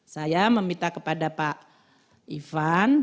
saya meminta kepada pak ivan